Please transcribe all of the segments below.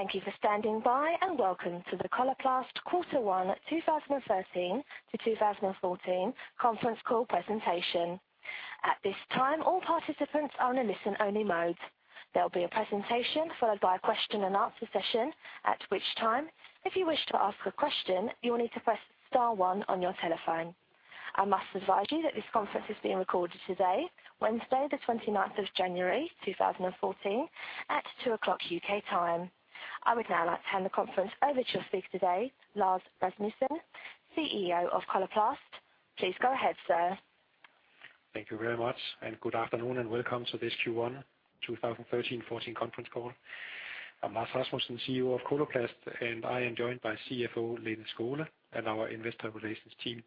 Thank you for standing by, and welcome to the Coloplast Q1 2013-2014 conference call presentation. At this time, all participants are in a listen-only mode. There will be a presentation, followed by a question-and-answer session, at which time, if you wish to ask a question, you will need to press star one on your telephone. I must advise you that this conference is being recorded today, Wednesday, the 29th of January, 2014, at 2:00 P.M. UK time. I would now like to hand the conference over to your speaker today, Lars Rasmussen, CEO of Coloplast. Please go ahead, sir. Thank you very much, good afternoon, and welcome to this Q1 2013/14 conference call. I'm Lars Rasmussen, CEO of Coloplast, and I am joined by CFO Lene Skole and our investor relations team.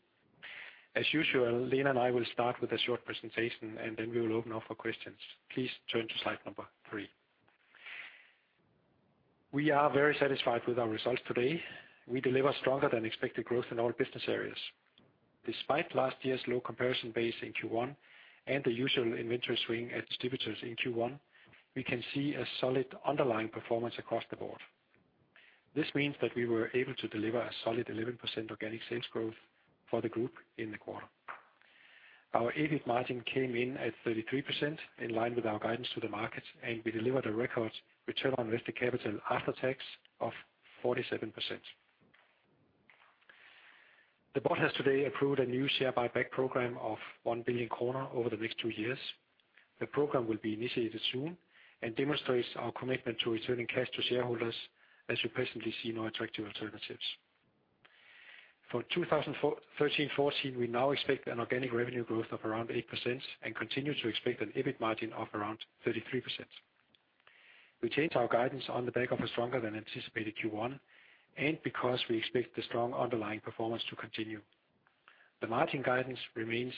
As usual, Lene and I will start with a short presentation, and then we will open up for questions. Please turn to slide number three. We are very satisfied with our results today. We deliver stronger than expected growth in all business areas. Despite last year's low comparison base in Q1 and the usual inventory swing at distributors in Q1, we can see a solid underlying performance across the board. This means that we were able to deliver a solid 11% organic sales growth for the group in the quarter. Our EBIT margin came in at 33%, in line with our guidance to the market, and we delivered a record return on invested capital after tax of 47%. The board has today approved a new share buyback program of 1 billion kroner over the next two years. The program will be initiated soon and demonstrates our commitment to returning cash to shareholders, as we presently see no attractive alternatives. For 2013/14, we now expect an organic revenue growth of around 8% and continue to expect an EBIT margin of around 33%. We changed our guidance on the back of a stronger than anticipated Q1, and because we expect the strong underlying performance to continue. The margin guidance remains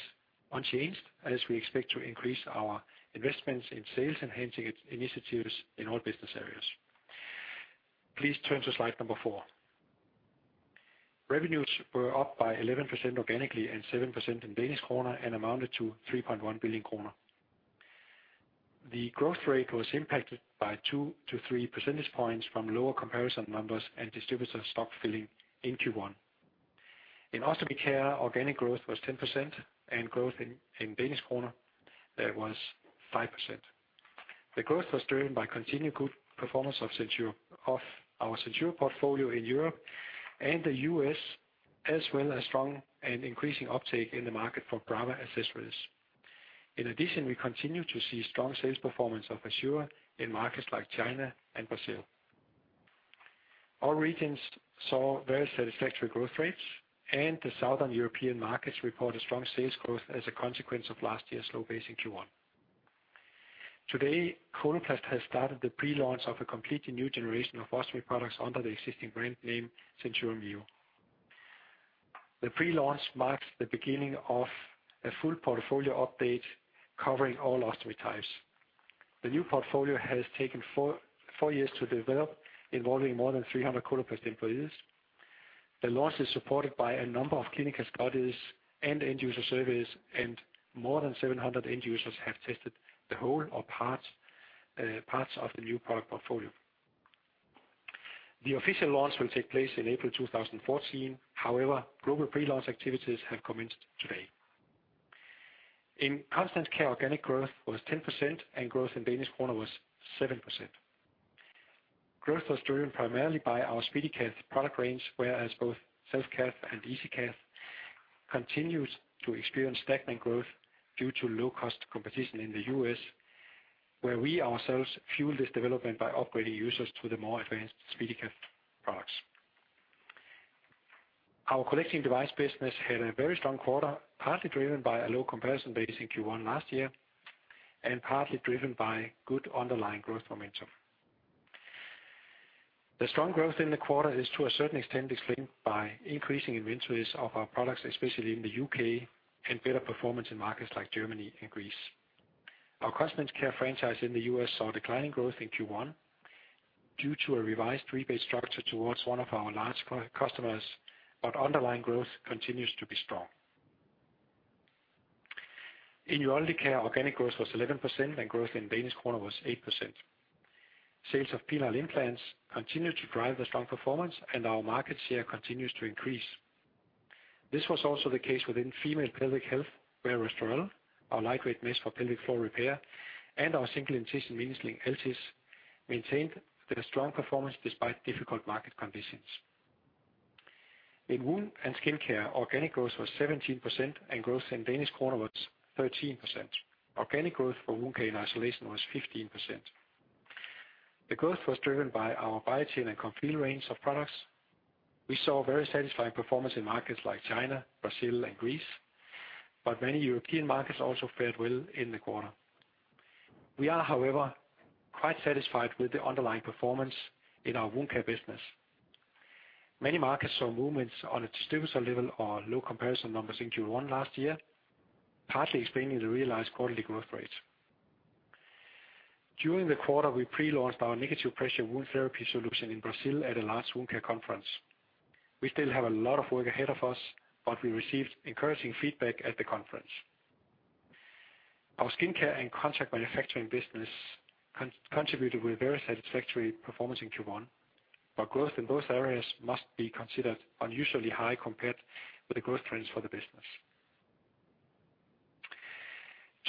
unchanged, as we expect to increase our investments in sales and enhancing initiatives in all business areas. Please turn to slide number four. Revenues were up by 11% organically and 7% in Danish kroner and amounted to 3.1 billion kroner. The growth rate was impacted by 2-3 percentage points from lower comparison numbers and distributor stock filling in Q1. In Ostomy Care, organic growth was 10%, and growth in Danish kroner, that was 5%. The growth was driven by continued good performance of SenSura, of our SenSura portfolio in Europe and the U.S., as well as strong and increasing uptake in the market for Brava accessories. In addition, we continue to see strong sales performance of Assura in markets like China and Brazil. All regions saw very satisfactory growth rates, and the Southern European markets report a strong sales growth as a consequence of last year's low base in Q1. Today, Coloplast has started the pre-launch of a completely new generation of ostomy products under the existing brand name SenSura Mio. The pre-launch marks the beginning of a full portfolio update covering all ostomy types. The new portfolio has taken four years to develop, involving more than 300 Coloplast employees. The launch is supported by a number of clinical studies and end user surveys, and more than 700 end users have tested the whole or parts of the new product portfolio. The official launch will take place in April 2014, however, global pre-launch activities have commenced today. In Continence Care, organic growth was 10%, and growth in Danish kroner was 7%. Growth was driven primarily by our SpeediCath product range, whereas both Self-Cath and EasiCath continues to experience stagnant growth due to low-cost competition in the U.S., where we ourselves fuel this development by upgrading users to the more advanced SpeediCath products. Our collecting device business had a very strong quarter, partly driven by a low comparison base in Q1 last year and partly driven by good underlying growth momentum. The strong growth in the quarter is, to a certain extent, explained by increasing inventories of our products, especially in the U.K., and better performance in markets like Germany and Greece. Our Continence Care franchise in the U.S. saw declining growth in Q1 due to a revised rebate structure towards one of our large customers, but underlying growth continues to be strong. In Urology Care, organic growth was 11%, and growth in Danish kroner was 8%. Sales of penile implants continued to drive the strong performance, and our market share continues to increase. This was also the case within female pelvic health, where Restorelle, our lightweight mesh for pelvic floor repair, and our single-incision mini sling, Altis, maintained their strong performance despite difficult market conditions. In Wound & Skin Care, organic growth was 17%, and growth in Danish kroner was 13%. Organic growth for wound care in isolation was 15%. The growth was driven by our Biatain and Comfeel range of products. We saw very satisfying performance in markets like China, Brazil, and Greece, but many European markets also fared well in the quarter. We are, however, quite satisfied with the underlying performance in our wound care business. Many markets saw movements on a distributor level or low comparison numbers in Q1 last year, partly explaining the realized quarterly growth rates. During the quarter, we pre-launched our negative pressure wound therapy solution in Brazil at a large wound care conference. We still have a lot of work ahead of us, but we received encouraging feedback at the conference. Our skin care and contract manufacturing business contributed with very satisfactory performance in Q1, but growth in both areas must be considered unusually high compared with the growth trends for the business.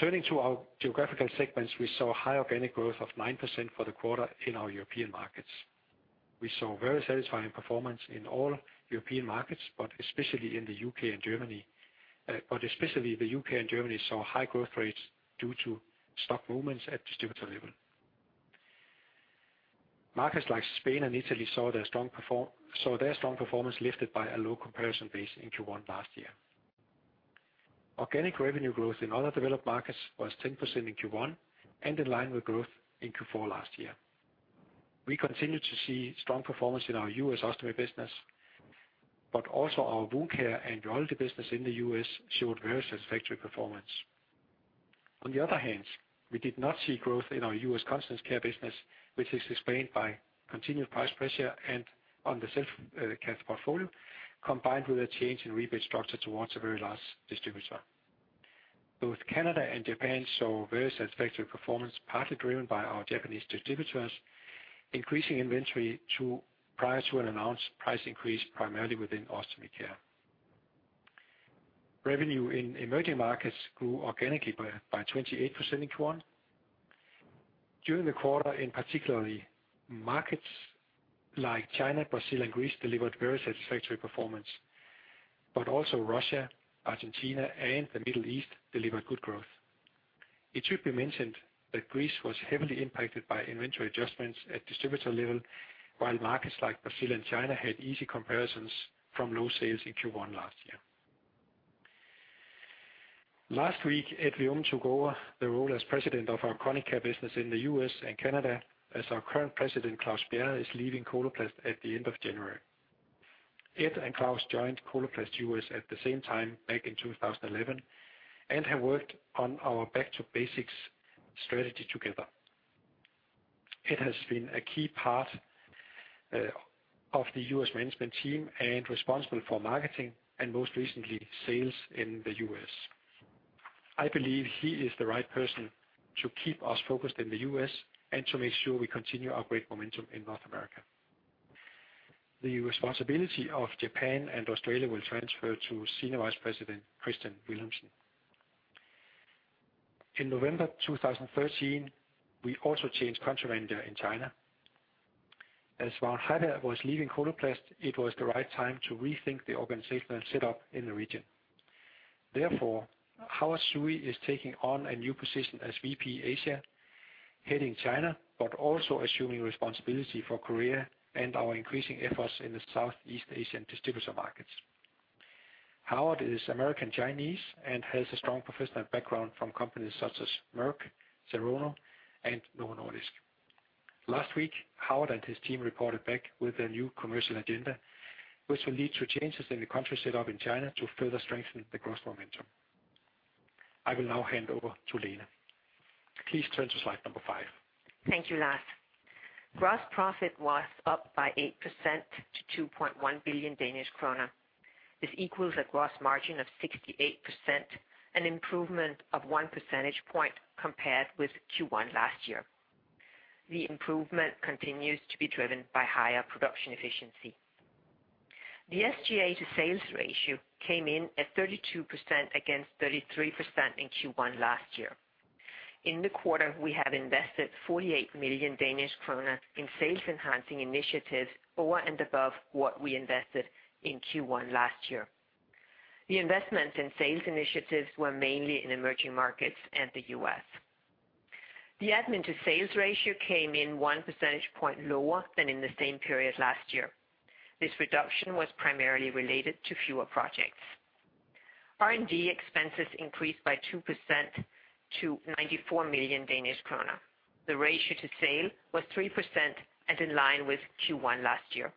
Turning to our geographical segments, we saw high organic growth of 9% for the quarter in our European markets. We saw very satisfying performance in all European markets, but especially in the UK and Germany. Especially the UK and Germany saw high growth rates due to stock movements at distributor level. Markets like Spain and Italy saw their strong performance lifted by a low comparison base in Q1 last year. Organic revenue growth in other developed markets was 10% in Q1 and in line with growth in Q4 last year. We continued to see strong performance in our U.S. Ostomy Care business, also our Wound Care and Urology Care business in the U.S. showed very satisfactory performance. We did not see growth in our U.S. Continence Care business, which is explained by continued price pressure and on the Self-Cath portfolio, combined with a change in rebate structure towards a very large distributor. Both Canada and Japan saw very satisfactory performance, partly driven by our Japanese distributors, increasing inventory prior to an announced price increase, primarily within Ostomy Care. Revenue in emerging markets grew organically by 28% in Q1. During the quarter, in particular, markets like China, Brazil, and Greece delivered very satisfactory performance, but also Russia, Argentina, and the Middle East delivered good growth. It should be mentioned that Greece was heavily impacted by inventory adjustments at distributor level, while markets like Brazil and China had easy comparisons from low sales in Q1 last year. Last week, Ed LaFrance took over the role as President of our Chronic Care business in the US and Canada, as our current President, Claus Bjerre, is leaving Coloplast at the end of January. Ed and Claus joined Coloplast US at the same time back in 2011, and have worked on our back to basics strategy together. Ed has been a key part of the US management team and responsible for marketing and most recently, sales in the US. I believe he is the right person to keep us focused in the U.S. and to make sure we continue our great momentum in North America. The responsibility of Japan and Australia will transfer to Senior Vice President, Kristian Villumsen. In November 2013, we also changed country manager in China. As Juan He was leaving Coloplast, it was the right time to rethink the organizational set up in the region. Howard Tsui is taking on a new position as VP Asia, heading China, but also assuming responsibility for Korea and our increasing efforts in the Southeast Asian distributor markets. Howard is American Chinese and has a strong professional background from companies such as Merck, Serono, and Novo Nordisk. Last week, Howard and his team reported back with a new commercial agenda, which will lead to changes in the country set up in China to further strengthen the growth momentum. I will now hand over to Lene. Please turn to slide number five. Thank you, Lars. Gross profit was up by 8% to 2.1 billion Danish krone. This equals a gross margin of 68%, an improvement of 1 percentage point compared with Q1 last year. The improvement continues to be driven by higher production efficiency. The SGA to sales ratio came in at 32%, against 33% in Q1 last year. In the quarter, we have invested 48 million Danish kroner in sales enhancing initiatives, over and above what we invested in Q1 last year. The investments in sales initiatives were mainly in emerging markets and the U.S. The admin to sales ratio came in 1 percentage point lower than in the same period last year. This reduction was primarily related to fewer projects. R&D expenses increased by 2% to 94 million Danish krone. The ratio to sale was 3% and in line with Q1 last year.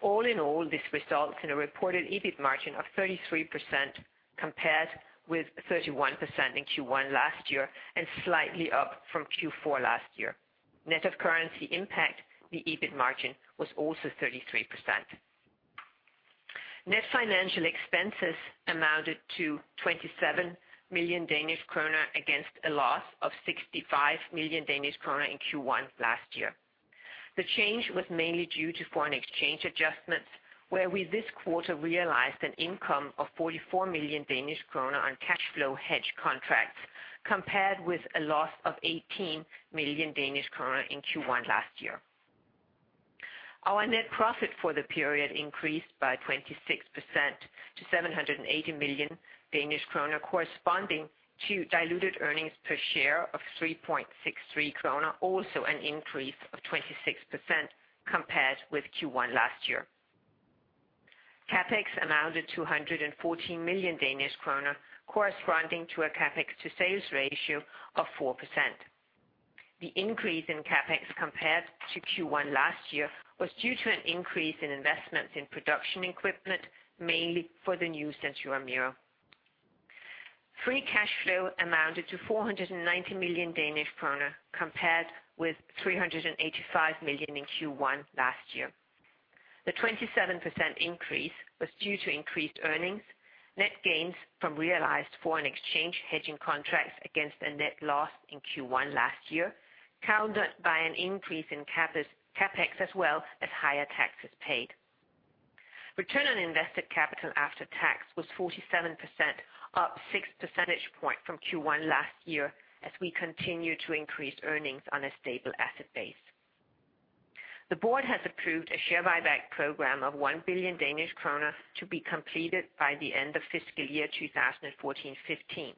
All in all, this results in a reported EBIT margin of 33%, compared with 31% in Q1 last year, and slightly up from Q4 last year. Net of currency impact, the EBIT margin was also 33%. Net financial expenses amounted to 27 million Danish kroner, against a loss of 65 million Danish kroner in Q1 last year. The change was mainly due to foreign exchange adjustments, where we, this quarter, realized an income of 44 million Danish kroner on cash flow hedge contracts, compared with a loss of 18 million Danish kroner in Q1 last year. Our net profit for the period increased by 26% to 780 million Danish kroner, corresponding to diluted earnings per share of 3.63 kroner, also an increase of 26% compared with Q1 last year. CapEx amounted to 114 million Danish kroner, corresponding to a CapEx to sales ratio of 4%. The increase in CapEx compared to Q1 last year, was due to an increase in investments in production equipment, mainly for the new SenSura Mio. Free cash flow amounted to 490 million Danish krone, compared with 385 million in Q1 last year. The 27% increase was due to increased earnings, net gains from realized foreign exchange hedging contracts against a net loss in Q1 last year, countered by an increase in CapEx, as well as higher taxes paid. Return on invested capital after tax was 47%, up 6 percentage point from Q1 last year as we continue to increase earnings on a stable asset base. The board has approved a share buyback program of 1 billion Danish kroner to be completed by the end of fiscal year 2014-2015.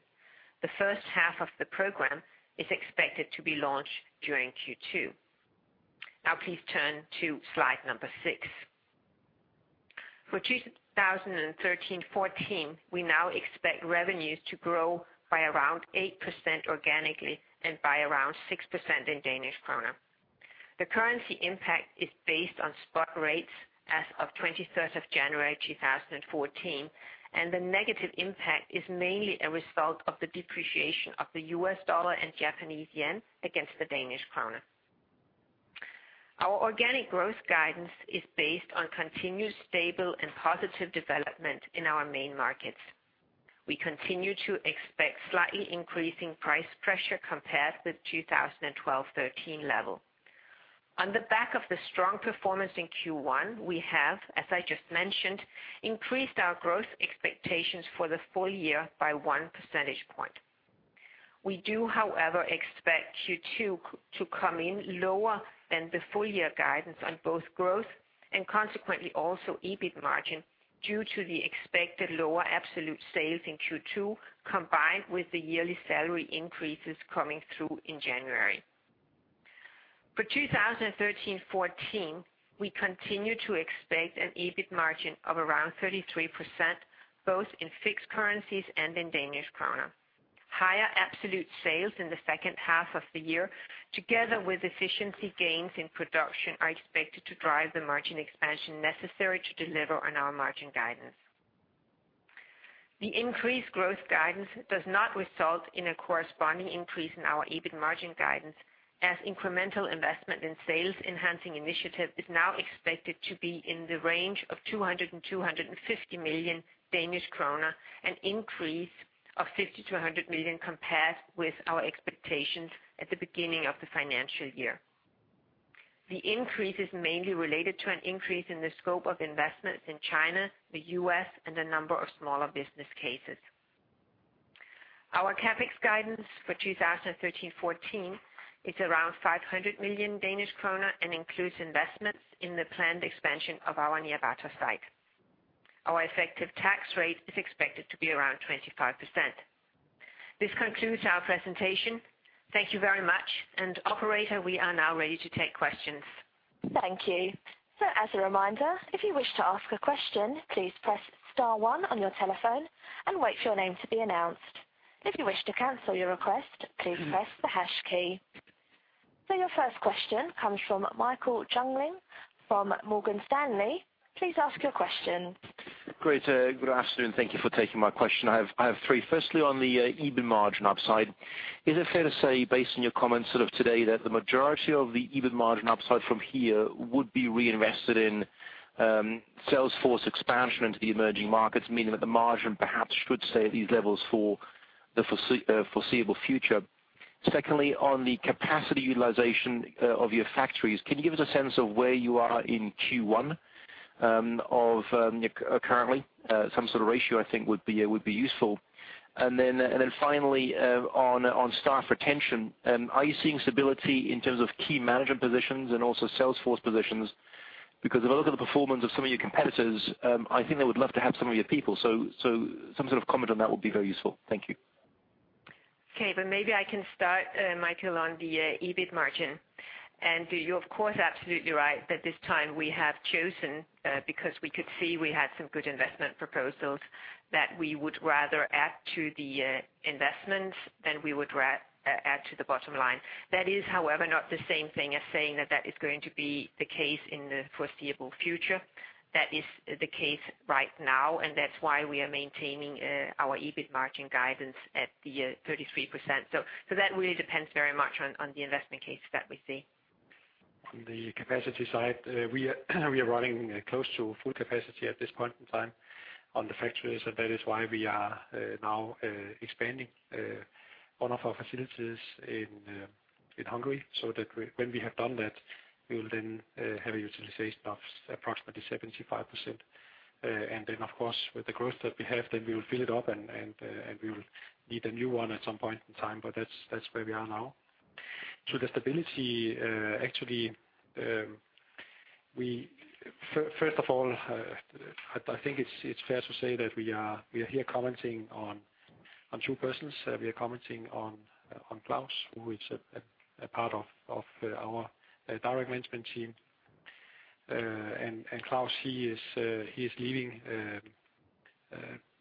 The first half of the program is expected to be launched during Q2. Please turn to slide 6. For 2013-2014, we now expect revenues to grow by around 8% organically and by around 6% in Danish kroner. The currency impact is based on spot rates as of twenty-third of January 2014, and the negative impact is mainly a result of the depreciation of the US dollar and Japanese yen against the Danish kroner. Our organic growth guidance is based on continuous, stable, and positive development in our main markets. We continue to expect slightly increasing price pressure compared with 2012-2013 level. On the back of the strong performance in Q1, we have, as I just mentioned, increased our growth expectations for the full year by 1 percentage point. We do, however, expect Q2 to come in lower than the full year guidance on both growth and consequently also EBIT margin, due to the expected lower absolute sales in Q2, combined with the yearly salary increases coming through in January. For 2013-2014, we continue to expect an EBIT margin of around 33%, both in fixed currencies and in Danish kroner. Higher absolute sales in the second half of the year, together with efficiency gains in production, are expected to drive the margin expansion necessary to deliver on our margin guidance. The increased growth guidance does not result in a corresponding increase in our EBIT margin guidance, as incremental investment in sales enhancing initiative is now expected to be in the range of 200 million-250 million Danish kroner, an increase of 50 million-100 million, compared with our expectations at the beginning of the financial year. The increase is mainly related to an increase in the scope of investments in China, the U.S., and a number of smaller business cases. Our CapEx guidance for 2013-2014 is around 500 million Danish krone, and includes investments in the planned expansion of our Nyborg site. Our effective tax rate is expected to be around 25%. This concludes our presentation. Thank you very much. Operator, we are now ready to take questions. Thank you. As a reminder, if you wish to ask a question, please press star one on your telephone and wait for your name to be announced. If you wish to cancel your request, please press the hash key. Your first question comes from Michael Jüngling from Morgan Stanley. Please ask your question. Great. Good afternoon. Thank you for taking my question. I have three. Firstly, on the EBIT margin upside, is it fair to say, based on your comments sort of today, that the majority of the EBIT margin upside from here would be reinvested in sales force expansion into the emerging markets, meaning that the margin perhaps should stay at these levels for the foreseeable future? Secondly, on the capacity utilization of your factories, can you give us a sense of where you are in Q1 currently? Some sort of ratio, I think, would be useful. Finally, on staff retention, are you seeing stability in terms of key management positions and also salesforce positions? If I look at the performance of some of your competitors, I think they would love to have some of your people. Some sort of comment on that would be very useful. Thank you. Okay. Well, maybe I can start, Michael, on the EBIT margin. You're, of course, absolutely right, that this time we have chosen, because we could see we had some good investment proposals, that we would rather add to the investments than we would add to the bottom line. That is, however, not the same thing as saying that that is going to be the case in the foreseeable future. That is the case right now, and that's why we are maintaining our EBIT margin guidance at the 33%. That really depends very much on the investment case that we see. On the capacity side, we are running close to full capacity at this point in time on the factories, and that is why we are now expanding one of our facilities in Hungary. When we have done that, we will then have a utilization of approximately 75%. Then, of course, with the growth that we have, then we will fill it up, and we will need a new one at some point in time. That's where we are now. To the stability, actually, first of all, I think it's fair to say that we are here commenting on two persons. We are commenting on Klaus, who is a part of our direct management team. Klaus, he is leaving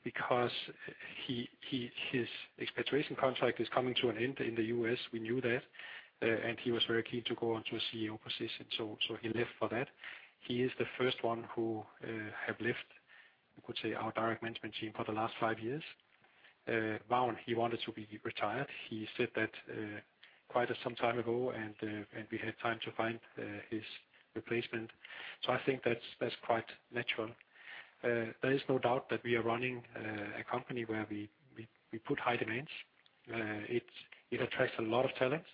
because his expatriation contract is coming to an end in the U.S. We knew that, he was very keen to go on to a CEO position, he left for that. He is the first one who have left we could say our direct management team for the last five years. Vagn, he wanted to be retired. He said that, quite some time ago, we had time to find his replacement. I think that's quite natural. There is no doubt that we are running a company where we put high demands. It attracts a lot of talents.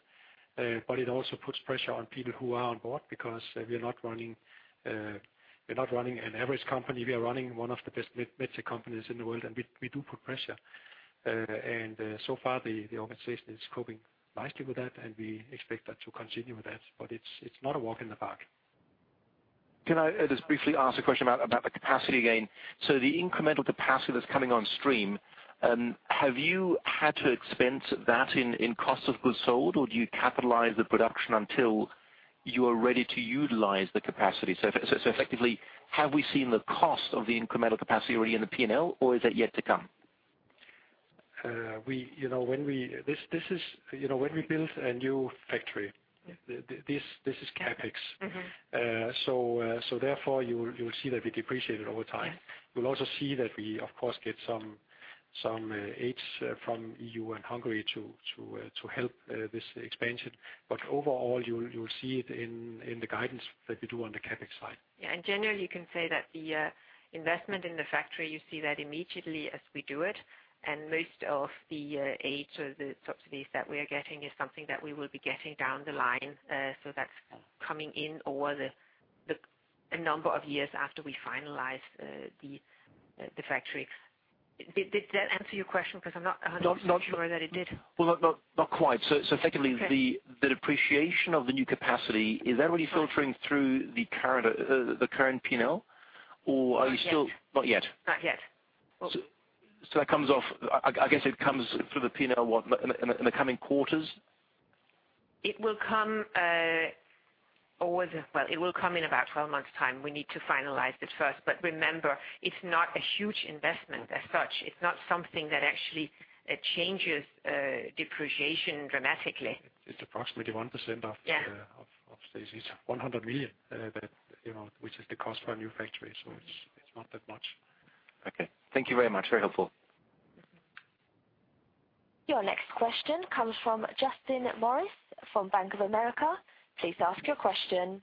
It also puts pressure on people who are on board because we're not running an average company. We are running one of the best med-metric companies in the world, and we do put pressure. So far, the organization is coping nicely with that, and we expect that to continue with that, but it's not a walk in the park. Can I just briefly ask a question about the capacity gain? The incremental capacity that's coming on stream, have you had to expense that in cost of goods sold, or do you capitalize the production until you are ready to utilize the capacity? Effectively, have we seen the cost of the incremental capacity already in the P&L, or is that yet to come? We, you know, this is, you know, when we build a new factory, this is CapEx. Mm-hmm. Therefore, you will see that we depreciate it over time. Yes. You'll also see that we, of course, get some aids from EU and Hungary to help this expansion. Overall, you will see it in the guidance that we do on the CapEx side. Generally, you can say that the investment in the factory, you see that immediately as we do it, and most of the aid or the subsidies that we are getting is something that we will be getting down the line. That's coming in over the a number of years after we finalize the factory. Did that answer your question? 'Cause I'm not 100% sure that it did. Well, not quite. Okay... the depreciation of the new capacity, is that already filtering through the current, the current P&L, or are you still? Not yet. Not yet? Not yet. That comes off, I guess it comes through the P&L, what, in the coming quarters? It will come over the. It will come in about 12 months' time. We need to finalize it first. Remember, it's not a huge investment as such. It's not something that actually changes depreciation dramatically. It's approximately 1%. Yeah... of sales. It's 100 million, that, you know, which is the cost for a new factory. It's not that much. Okay. Thank you very much. Very helpful. Your next question comes from Justin Morris from Bank of America. Please ask your question.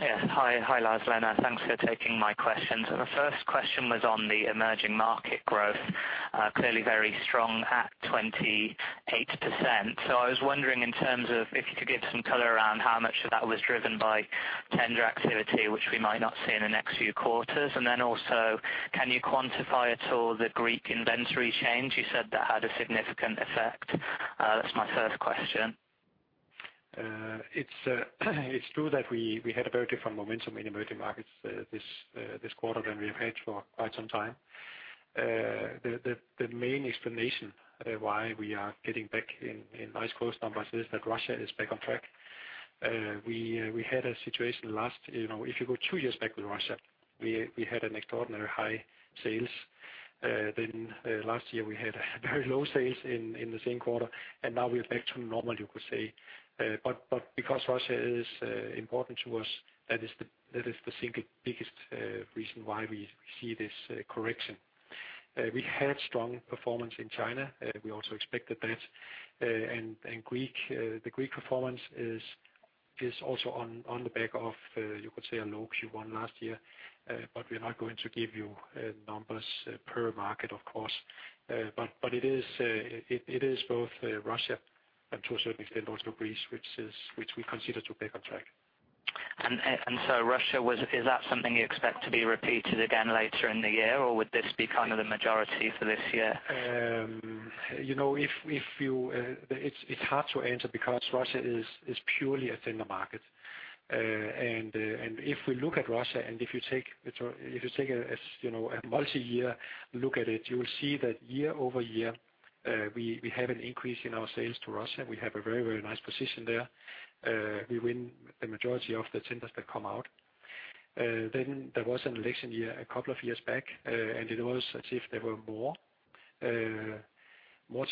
Yes. Hi, Lars, Lena. Thanks for taking my questions. The first question was on the emerging market growth, clearly very strong at 28%. I was wondering in terms of if you could give some color around how much of that was driven by tender activity, which we might not see in the next few quarters. Can you quantify at all the Greek inventory change? You said that had a significant effect. That's my first question. It's true that we had a very different momentum in emerging markets, this quarter than we've had for quite some time. The main explanation, why we are getting back in nice growth numbers is that Russia is back on track. We had a situation last, you know, if you go two years back with Russia, we had an extraordinary high sales. Last year, we had very low sales in the same quarter, and now we're back to normal, you could say. Because Russia is important to us, that is the single biggest reason why we see this correction. We had strong performance in China. We also expected that. Greek, the Greek performance is also on the back of, you could say, a low Q1 last year. We're not going to give you numbers per market, of course. It is both Russia and to a certain extent, also Greece, which we consider to be back on track. Russia, is that something you expect to be repeated again later in the year, or would this be kind of the majority for this year? You know, if you... It's hard to answer because Russia is purely a tender market. If we look at Russia, if you take a, as, you know, a multi-year look at it, you will see that year-over-year, we have an increase in our sales to Russia. We have a very, very nice position there. We win the majority of the tenders that come out. There was an election year a couple of years back, and it was as if there were more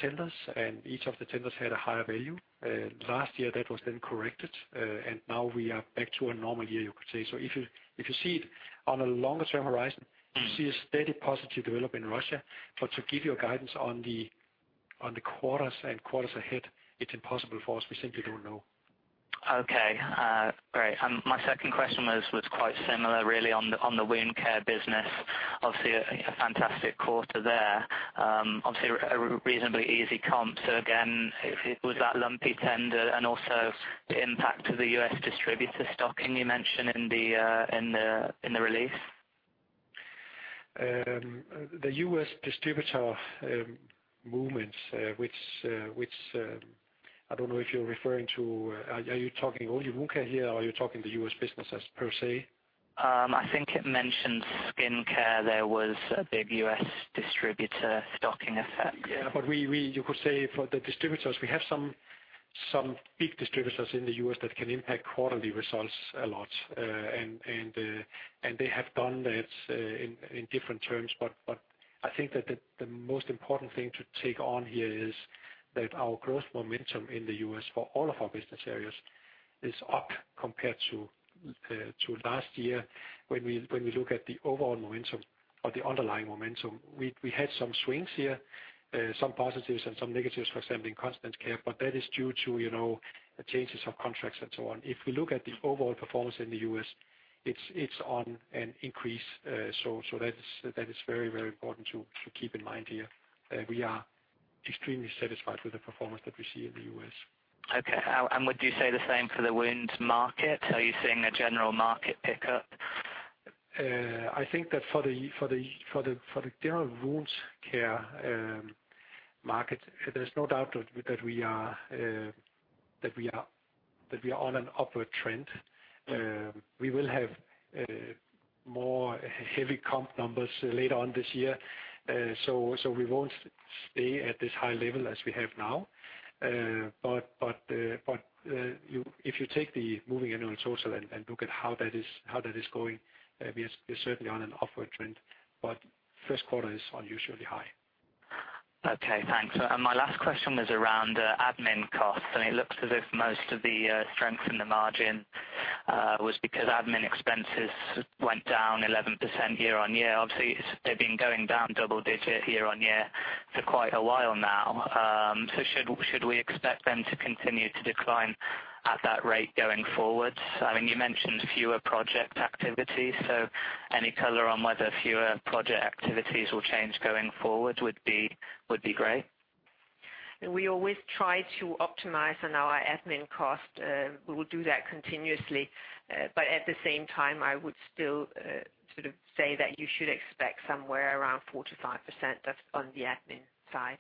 tenders, and each of the tenders had a higher value. Last year, that was corrected, and now we are back to a normal year, you could say. If you see it on a longer-term horizon. Mm-hmm... you see a steady positive development in Russia. To give you a guidance on the quarters and quarters ahead, it's impossible for us. We simply don't know. Okay. great. My second question was quite similar, really, on the, on the wound care business. Obviously, a fantastic quarter there. Obviously, a reasonably easy comp. Again, it was that lumpy tender and also the impact of the US distributor stocking you mentioned in the, in the, in the release. The U.S. distributor movement, which I don't know if you're referring to, are you talking only Wound Care here, or are you talking the U.S. business as per se? I think it mentioned skincare. There was a big U.S. distributor stocking effect. We, you could say for the distributors, we have some big distributors in the U.S. that can impact quarterly results a lot. And they have done that in different terms. I think that the most important thing to take on here is that our growth momentum in the U.S. for all of our business areas is up compared to last year. When we look at the overall momentum or the underlying momentum, we had some swings here, some positives and some negatives, for example, in Continence Care, but that is due to, you know, changes of contracts and so on. If we look at the overall performance in the U.S., it's on an increase. That is very important to keep in mind here, that we are extremely satisfied with the performance that we see in the U.S. Okay. Would you say the same for the wound market? Are you seeing a general market pickup? transcript of a speech given by a CEO. "Good morning, everyone. Today, I want to talk about the future of our company, Coloplast. We've just completed a fantastic quarter, with strong growth across all our business areas. Our Ostomy Care division, in particular, has seen remarkable success, driven by the continued adoption of our SenSura Mio products. We're also making significant strides in Continence Care, with SpeediCath maintaining its position as a market leader. Looking ahead, we're investing heavily in research and development. Our CapEx for the next Okay, thanks. My last question was around admin costs, and it looks as if most of the strength in the margin was because admin expenses went down 11% year-over-year. Obviously, they've been going down double-digit year-over-year for quite a while now. Should we expect them to continue to decline at that rate going forward? I mean, you mentioned fewer project activities, so any color on whether fewer project activities will change going forward would be great. We always try to optimize on our admin cost. We will do that continuously. At the same time, I would still, sort of say that you should expect somewhere around 4%-5% of on the admin side.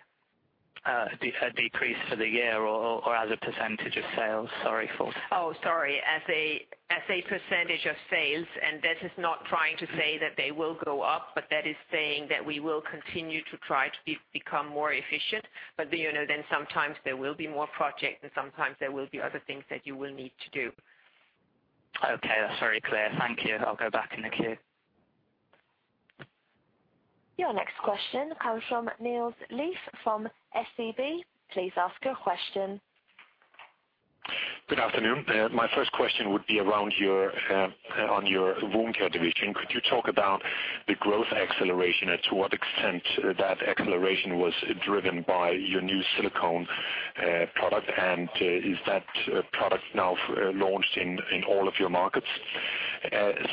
A decrease for the year or as a percentage of sales? Sorry for- Oh, sorry, as a % of sales, and this is not trying to say that they will go up, but that is saying that we will continue to try to become more efficient. You know, then sometimes there will be more projects, and sometimes there will be other things that you will need to do. Okay, that's very clear. Thank you. I'll go back in the queue. Your next question comes from Niels Ladefoged from SEB. Please ask your question. Good afternoon. My first question would be around your on your Wound Care division. Could you talk about the growth acceleration and to what extent that acceleration was driven by your new silicone product? Is that product now launched in all of your markets?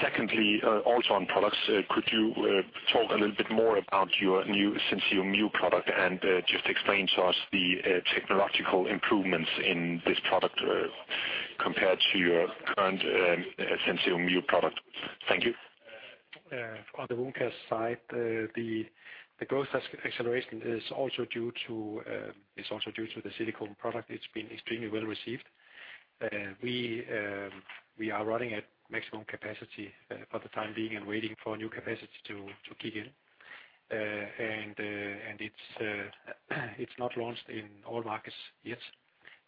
Secondly, also on products, could you talk a little bit more about your new SenSura Mio product, and just explain to us the technological improvements in this product compared to your current SenSura Mio product? Thank you. On the wound care side, the growth acceleration is also due to the silicone product. It's been extremely well received. We are running at maximum capacity for the time being and waiting for new capacity to kick in. It's not launched in all markets yet.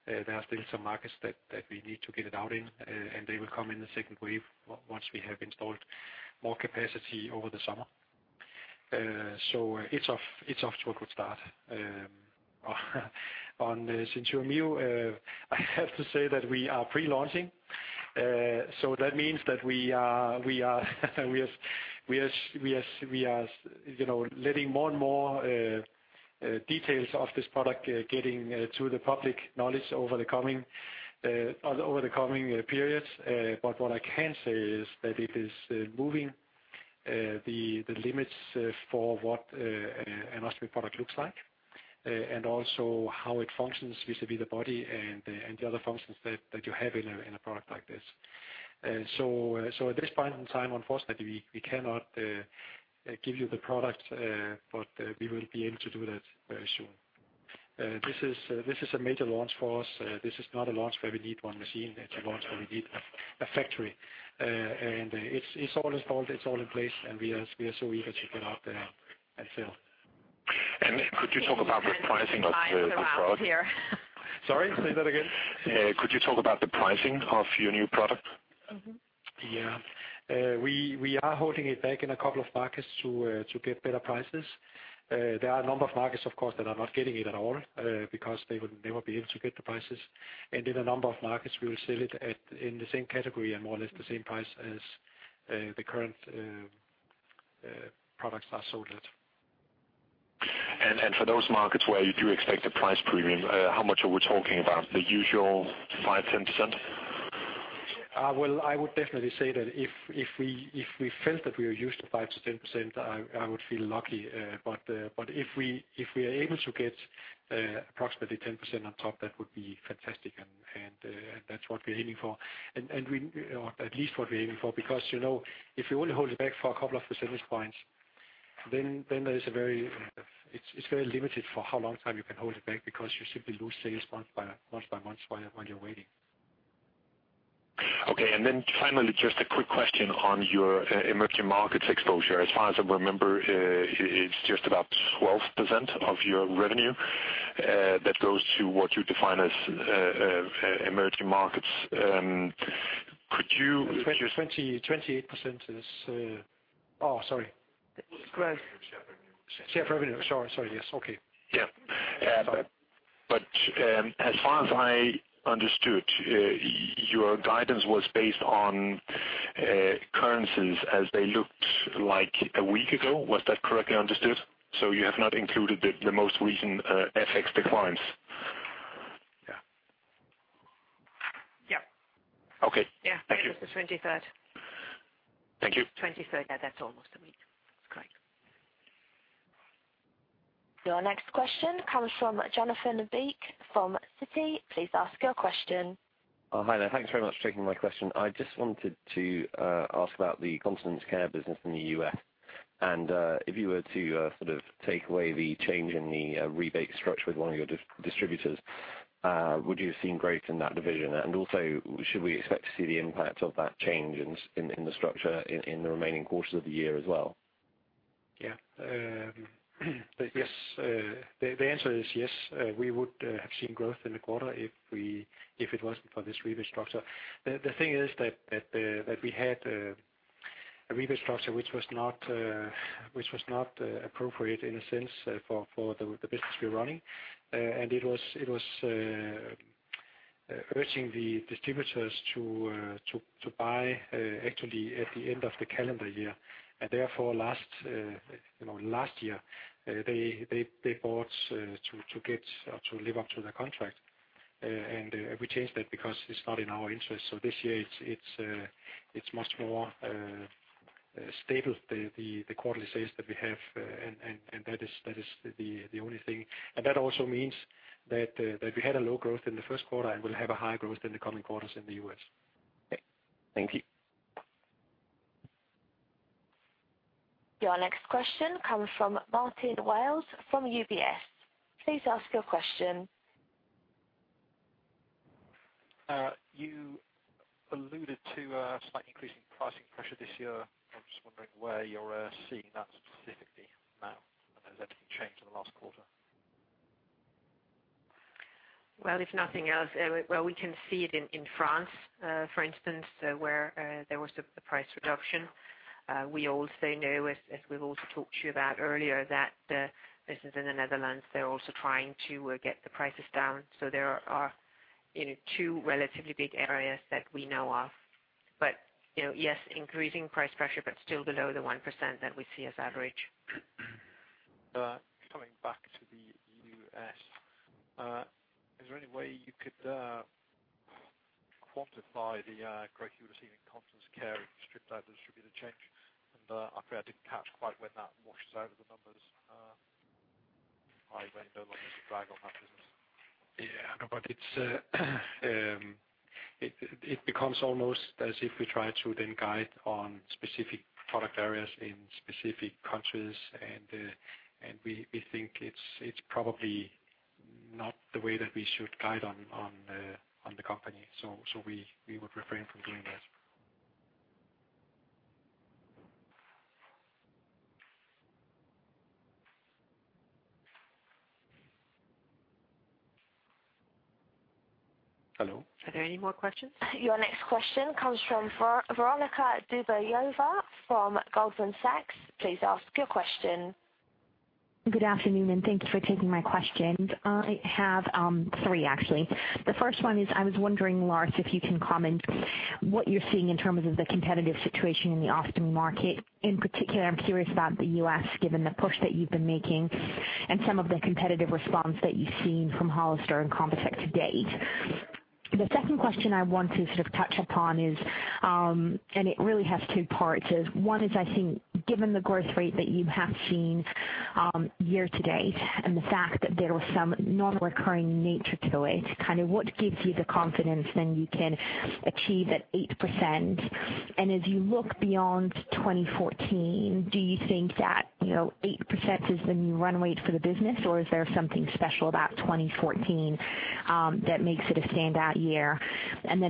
There are still some markets that we need to get it out in, and they will come in the second wave once we have installed more capacity over the summer. It's off to a good start. On SenSura Mio, I have to say that we are pre-launching. That means that we are, you know, letting more and more details of this product getting to the public knowledge over the coming over the coming periods. What I can say is that it is moving the limits for what an ostomy product looks like and also how it functions vis-a-vis the body and the other functions that you have in a product like this. At this point in time, unfortunately, we cannot give you the product, but we will be able to do that very soon. This is a major launch for us. This is not a launch where we need one machine. It's a launch where we need a factory. It's all installed, it's all in place, and we are so eager to get out there and sell. Could you talk about the pricing of the product? Time's are up here. Sorry, say that again. Could you talk about the pricing of your new product? Mm-hmm. Yeah. We are holding it back in a couple of markets to get better prices. There are a number of markets, of course, that are not getting it at all because they would never be able to get the prices. In a number of markets, we will sell it at, in the same category and more or less the same price as the current products are sold at. For those markets where you do expect a price premium, how much are we talking about? The usual 5%, 10%? Well, I would definitely say that if we felt that we were used to 5%-10%, I would feel lucky. If we are able to get approximately 10% on top, that would be fantastic, and that's what we're aiming for. Or at least what we're aiming for, because, you know, if you only hold it back for a couple of percentage points, then there is a very, it's very limited for how long time you can hold it back because you simply lose sales month by month while you're waiting. ... Finally, just a quick question on your emerging markets exposure. As far as I remember, it's just about 12% of your revenue that goes to what you define as emerging markets. 28% is. Oh, sorry. Go ahead. Share revenue. Share revenue. Sorry, yes. Okay. Yeah. As far as I understood, your guidance was based on currencies as they looked like a week ago. Was that correctly understood? You have not included the most recent FX declines? Yeah. Yeah. Okay. Yeah. Thank you. It was the twenty-third. Thank you. 23rd, yeah, that's almost 1 week. That's correct. Your next question comes from Jonathan Beake from Citi. Please ask your question. Oh, hi there. Thanks very much for taking my question. I just wanted to ask about the Continence Care business in the US, and if you were to sort of take away the change in the rebate structure with one of your distributors, would you have seen growth in that division? Also, should we expect to see the impact of that change in the structure in the remaining quarters of the year as well? Yeah. Yes, the answer is yes. We would have seen growth in the quarter if it wasn't for this rebate structure. The thing is that we had a rebate structure which was not which was not appropriate in a sense for the business we're running. It was urging the distributors to buy actually at the end of the calendar year. Therefore, last, you know, last year, they bought to get to live up to the contract. We changed that because it's not in our interest. This year, it's much more stable, the quarterly sales that we have, and that is the only thing. That also means that we had a low growth in the first quarter and will have a high growth in the coming quarters in the U.S. Okay. Thank you. Your next question comes from Martin Laye from UBS. Please ask your question. You alluded to slight increasing pricing pressure this year. I'm just wondering where you're seeing that specifically now, and has that changed in the last quarter? Well, if nothing else, well, we can see it in France, for instance, where there was a price reduction. We also know, as we've also talked to you about earlier, that the business in the Netherlands, they're also trying to get the prices down. There are, you know, two relatively big areas that we know of. You know, yes, increasing price pressure, but still below the 1% that we see as average. Coming back to the U.S., is there any way you could quantify the growth you were seeing in Continence Care if you stripped out the distributor change? I fear I didn't catch quite when that washes out of the numbers, I then no longer see a drag on that business. It becomes almost as if we try to then guide on specific product areas in specific countries. We think it's probably not the way that we should guide on the company. We would refrain from doing that. Hello? Are there any more questions? Your next question comes from Veronika Dubajova from Goldman Sachs. Please ask your question. Good afternoon. Thank you for taking my questions. I have three, actually. The first one is, I was wondering, Lars, if you can comment what you're seeing in terms of the competitive situation in the Ostomy market. In particular, I'm curious about the U.S., given the push that you've been making and some of the competitive response that you've seen from Hollister and ConvaTec to date. The second question I want to sort of touch upon is, and it really has two parts, is one is, I think, given the growth rate that you have seen, year-to-date, and the fact that there was some non-recurring nature to it, kind of what gives you the confidence then you can achieve at 8%? As you look beyond 2014, do you think that, you know, 8% is the new run rate for the business, or is there something special about 2014, that makes it a standout year?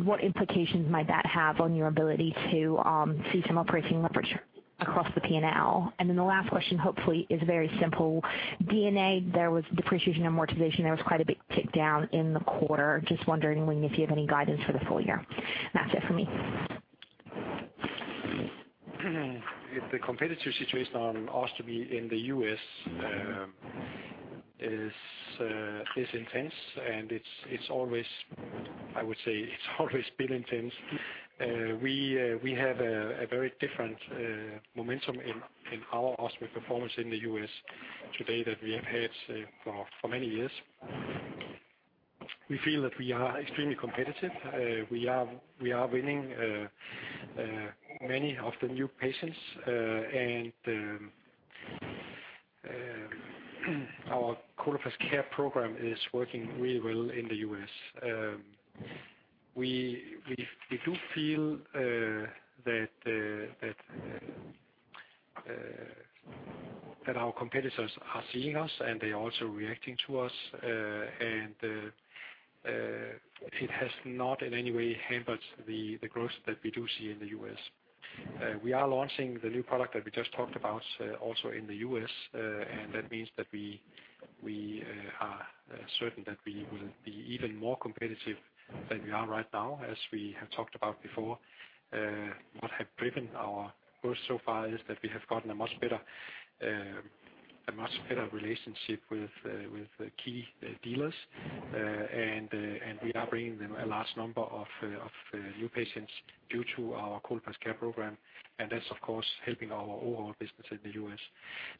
What implications might that have on your ability to see some operating leverage across the PNL? The last question, hopefully, is very simple. D&A, there was depreciation and amortization. There was quite a big tick down in the quarter. Just wondering if you have any guidance for the full year. That's it for me. The competitive situation on Ostomy in the U.S. is intense, and it's always, I would say, it's always been intense. We have a very different momentum in our Ostomy performance in the U.S. today than we have had, say, for many years. We feel that we are extremely competitive. We are winning many of the new patients, and our Coloplast Care program is working really well in the U.S. We do feel that our competitors are seeing us, and they are also reacting to us. It has not in any way hampered the growth that we do see in the U.S. We are launching the new product that we just talked about, also in the U.S., and that means that we are certain that we will be even more competitive than we are right now, as we have talked about before. What have driven our growth so far is that we have gotten a much better, a much better relationship with key dealers. We are bringing them a large number of new patients due to our Coloplast Care program, and that's, of course, helping our overall business in the U.S.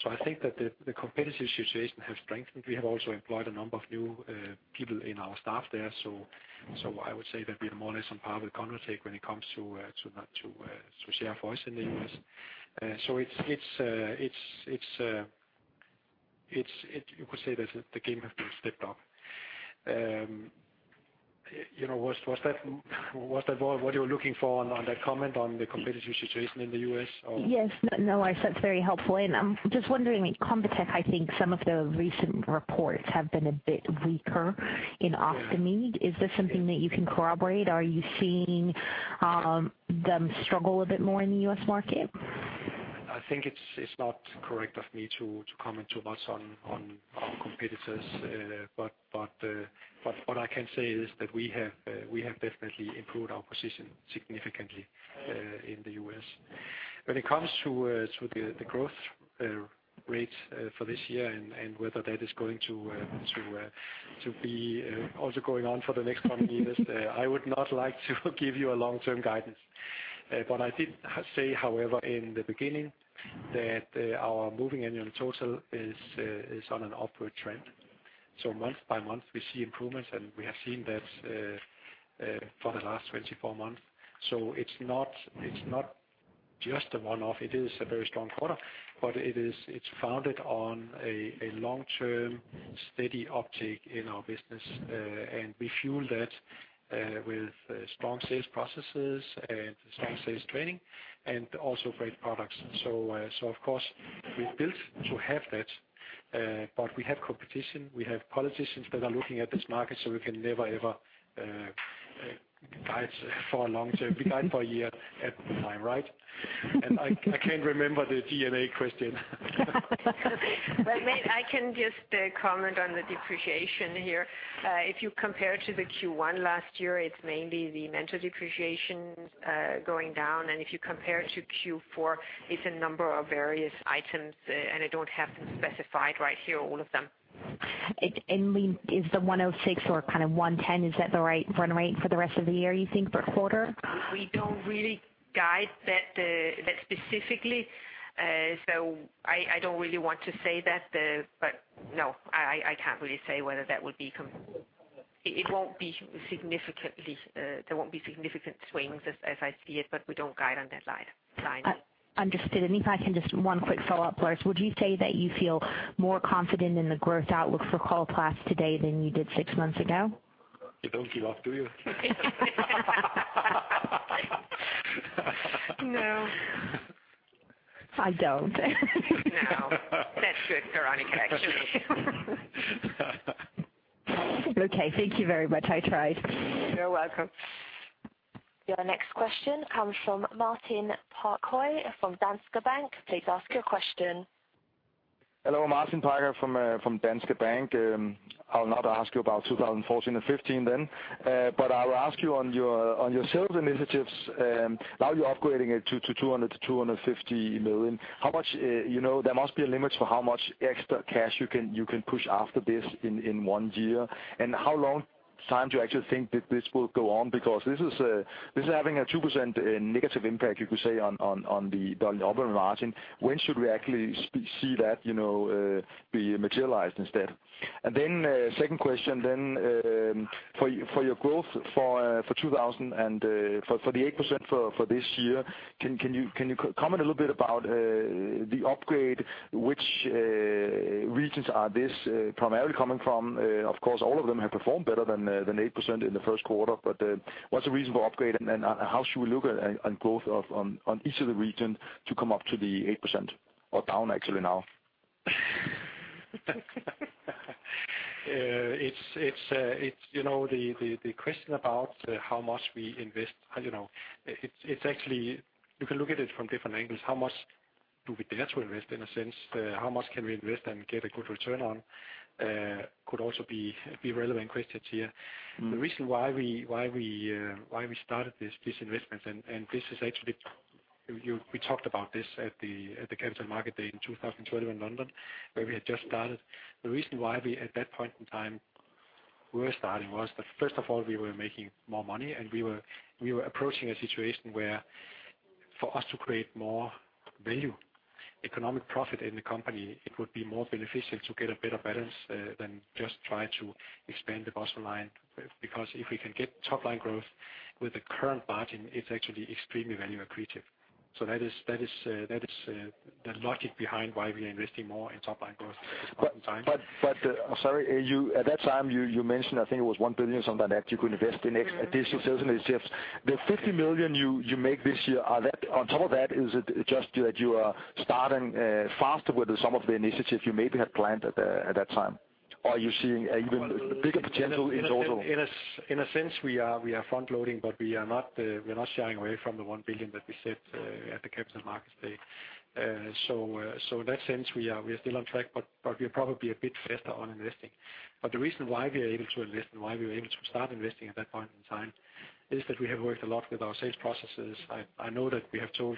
I think that the competitive situation has strengthened. We have also employed a number of new people in our staff there. I would say that we are more or less on par with ConvaTec when it comes to to share our voice in the US. It's you could say that the game has been stepped up. You know, was that what you were looking for on that comment on the competitive situation in the US, or? Yes. No, no, that's very helpful. I'm just wondering, ConvaTec, I think some of the recent reports have been a bit weaker in Ostomy. Is this something that you can corroborate? Are you seeing them struggle a bit more in the U.S. market? I think it's not correct of me to comment too much on our competitors. What I can say is that we have definitely improved our position significantly in the U.S. When it comes to the growth rate for this year and whether that is going to be also going on for the next coming years, I would not like to give you a long-term guidance. I did say, however, in the beginning, that our Moving Annual Total is on an upward trend. Month by month, we see improvements, and we have seen that for the last 24 months. It's not, it's not just a one-off. It is a very strong quarter, but it's founded on a long-term, steady uptick in our business. We fuel that with strong sales processes and strong sales training and also great products. Of course, we've built to have that, but we have competition. We have politicians that are looking at this market, so we can never, ever guide for a long term. We guide for a year at a time, right? I can't remember the D&A question. I can just comment on the depreciation here. If you compare to the Q1 last year, it's mainly the mental depreciation going down. If you compare to Q4, it's a number of various items, and I don't have them specified right here, all of them. Lene, is the 106 or kind of 110, is that the right run rate for the rest of the year, you think, per quarter? We don't really guide that specifically. No, I, I can't really say whether that would be it won't be significantly, there won't be significant swings as I see it, but we don't guide on that slide, line. Understood. If I can just one quick follow-up, Lars, would you say that you feel more confident in the growth outlook for Coloplast today than you did six months ago? You don't give up, do you? No. I don't. No. That's good, Veronica, actually. Okay. Thank you very much. I tried. You're welcome. Your next question comes from Martin Parkhøi from Danske Bank. Please ask your question. Hello, Martin Parkhøi from Danske Bank. I'll not ask you about 2014 and 2015 then. I will ask you on your sales initiatives, now you're upgrading it to 200 million-250 million. How much, you know, there must be a limit for how much extra cash you can push after this in 1 year? How long time do you actually think that this will go on? This is having a 2% negative impact, you could say, on the overall margin. When should we actually see that, you know, be materialized instead? Second question then, for your growth for 2,000 and for the 8% for this year, can you comment a little bit about the upgrade? Which regions are this primarily coming from? Of course, all of them have performed better than 8% in the first quarter, but what's the reason for upgrade, and how should we look at on growth of each of the region to come up to the 8% or down actually now? It's, you know, the question about how much we invest, you know, it's actually. You can look at it from different angles. How much do we dare to invest, in a sense? How much can we invest and get a good return on, could also be relevant questions here. Mm-hmm. The reason why we started this investment, and this is actually, we talked about this at the Capital Market Day in 2012 in London, where we had just started. The reason why we, at that point in time, we were starting was that, first of all, we were making more money, and we were approaching a situation where for us to create more value, economic profit in the company, it would be more beneficial to get a better balance than just try to expand the bottom line. If we can get top line growth with the current margin, it's actually extremely value accretive. That is the logic behind why we are investing more in top line growth at the time. Sorry, you, at that time, you mentioned, I think it was 1 billion on the net you could invest in additional sales initiatives. The 50 million you make this year, are that, on top of that, is it just that you are starting faster with some of the initiatives you maybe had planned at that time? Or are you seeing an even bigger potential in total? In a sense, we are front loading, but we are not shying away from the 1 billion that we set at the capital markets day. In that sense, we are still on track, but we are probably a bit faster on investing. The reason why we are able to invest and why we were able to start investing at that point in time, is that we have worked a lot with our sales processes. I know that we have told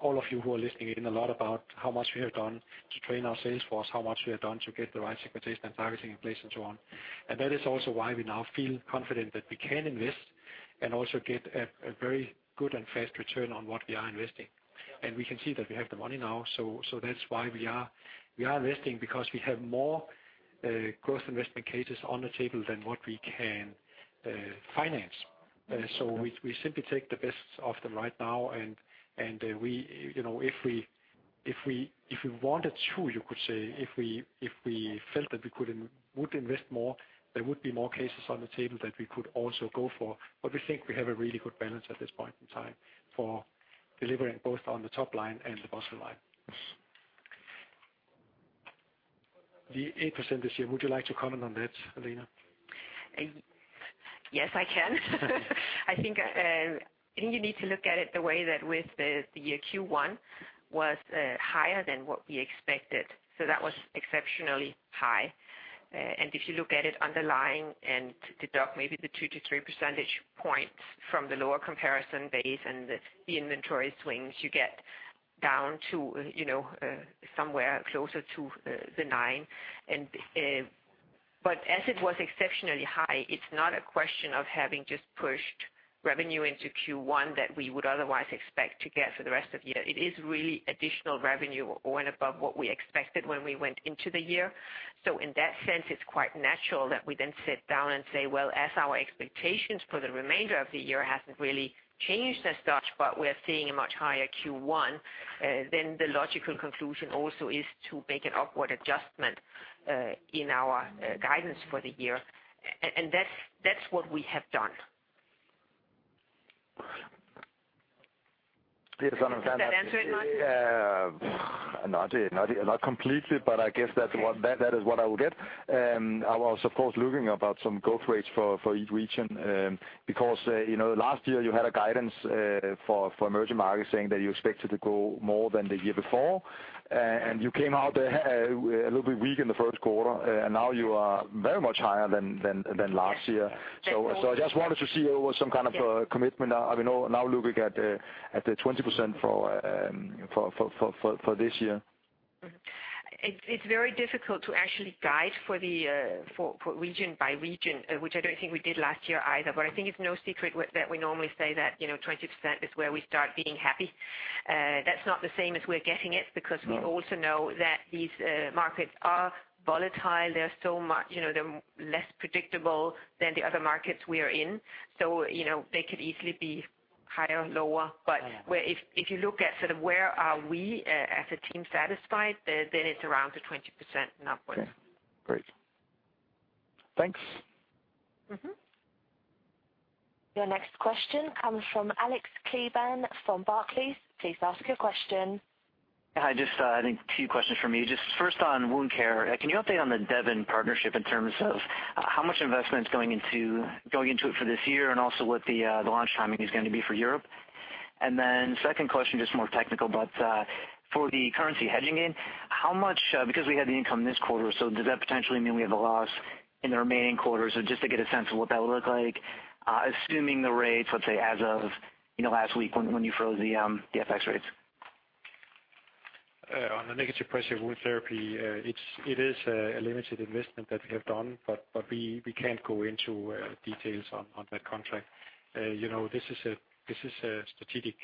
all of you who are listening in a lot about how much we have done to train our sales force, how much we have done to get the right segmentation and targeting in place, and so on. That is also why we now feel confident that we can invest and also get a very good and fast return on what we are investing. We can see that we have the money now, so that's why we are investing, because we have more growth investment cases on the table than what we can finance. We simply take the best of them right now, and we, you know, if we wanted to, you could say, if we felt that we would invest more, there would be more cases on the table that we could also go for. We think we have a really good balance at this point in time for delivering both on the top line and the bottom line. The 8% this year, would you like to comment on that, Lena? Yes, I can. I think you need to look at it the way that with the Q1 was higher than what we expected, so that was exceptionally high. If you look at it underlying and deduct maybe the 2 to 3 percentage points from the lower comparison base and the inventory swings, you get down to, you know, somewhere closer to the 9. But as it was exceptionally high, it's not a question of having just pushed revenue into Q1 that we would otherwise expect to get for the rest of the year. It is really additional revenue or and above what we expected when we went into the year. In that sense, it's quite natural that we then sit down and say: Well, as our expectations for the remainder of the year hasn't really changed as such, but we're seeing a much higher Q1, then the logical conclusion also is to make an upward adjustment, in our, guidance for the year. That's what we have done. Yes, I understand that. Does that answer it, Lars? Not completely, but I guess that is what I will get. I was, of course, looking about some growth rates for each region. Because, you know, last year you had a guidance for emerging markets saying that you expected to grow more than the year before, and you came out a little bit weak in the first quarter, and now you are very much higher than last year. Yes. I just wanted to see what some kind of commitment, I mean, now looking at the 20% for this year. It's very difficult to actually guide for the for region by region, which I don't think we did last year either. I think it's no secret with that we normally say that, you know, 20% is where we start being happy. That's not the same as we're getting it, because we also know that these markets are volatile. They're so much, you know, they're less predictable than the other markets we are in. You know, they could easily be higher or lower. Yeah. Where, if you look at sort of where are we as a team satisfied, then it's around the 20% and upwards. Okay, great. Thanks. Mm-hmm. Your next question comes from Alex Kleban from Barclays. Please ask your question. Hi, just, I think two questions from me. Just first on Wound Care, can you update on the Devon partnership in terms of how much investment is going into, going into it for this year, and also what the launch timing is going to be for Europe? Second question, just more technical, but for the currency hedging in, how much, because we had the income this quarter, does that potentially mean we have a loss in the remaining quarters? Just to get a sense of what that would look like, assuming the rates, let's say, as of, you know, last week when you froze the FX rates. On the negative pressure wound therapy, it is a limited investment that we have done, but we can't go into details on that contract. You know, this is a strategic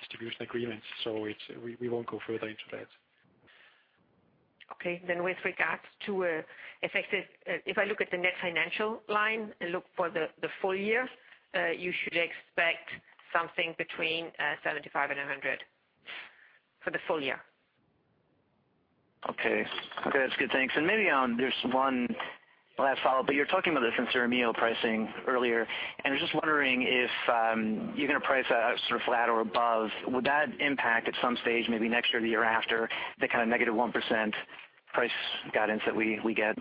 distribution agreement, so we won't go further into that. Okay. With regards to effective, if I look at the net financial line and look for the full year, you should expect something between 75 and 100 for the full year. Okay. Okay, that's good. Thanks. Maybe on just 1 last follow-up, but you're talking about the SenSura Mio pricing earlier, I was just wondering if you're going to price sort of flat or above, would that impact at some stage, maybe next year or the year after, the kind of negative 1% price guidance that we get?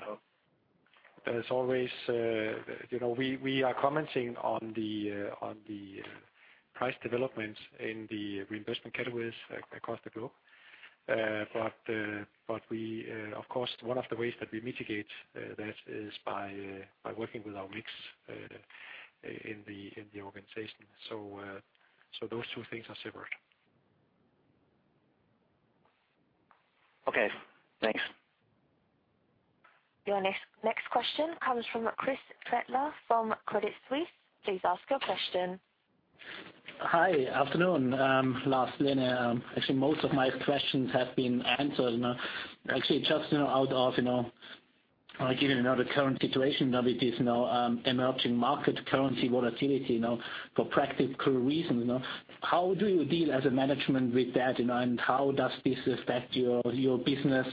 As always, you know, we are commenting on the price developments in the reimbursement categories across the globe. We, of course, one of the ways that we mitigate, that is by working with our mix, in the organization. Those two things are separate. Okay, thanks. Your next question comes from Christoph Gretler from Credit Suisse. Please ask your question. Hi. Afternoon, Lars, Lena. Actually, most of my questions have been answered. Now, actually, just, you know, out of, you know, given, you know, the current situation, now it is now, emerging market currency volatility, you know, for practical reasons, you know, how do you deal as a management with that, you know, and how does this affect your business,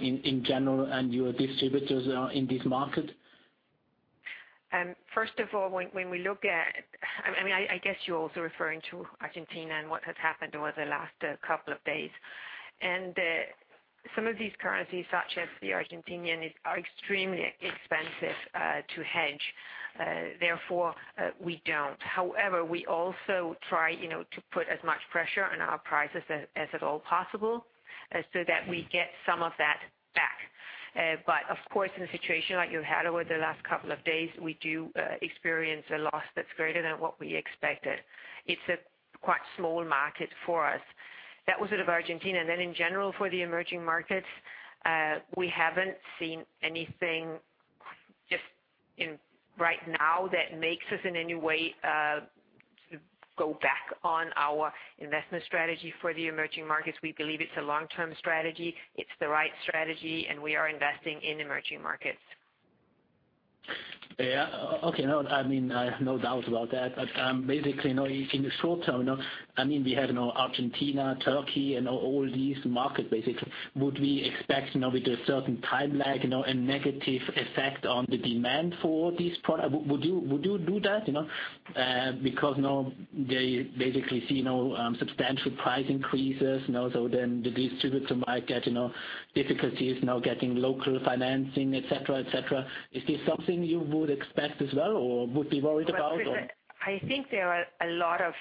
in general and your distributors, in this market? First of all, when we look at, I mean, I guess you're also referring to Argentina and what has happened over the last couple of days. Some of these currencies, such as the Argentinian, are extremely expensive to hedge. Therefore, we don't. However, we also try, you know, to put as much pressure on our prices as at all possible, so that we get some of that back. Of course, in a situation like you had over the last couple of days, we do experience a loss that's greater than what we expected. It's a quite small market for us. That was sort of Argentina. In general, for the emerging markets, we haven't seen anything just in right now that makes us in any way, go back on our investment strategy for the emerging markets. We believe it's a long-term strategy. It's the right strategy, and we are investing in emerging markets. Yeah. Okay, no, I mean, I have no doubt about that. Basically, you know, in the short term, you know, I mean, we have now Argentina, Turkey, and all these markets, basically. Would we expect, you know, with a certain timeline, you know, a negative effect on the demand for these products? Would you do that, you know? Because now they basically see, you know, substantial price increases, you know, so then the distributor might get, you know, difficulties now getting local financing, et cetera, et cetera. Is this something you would expect as well or would be worried about or? I think there are a lot of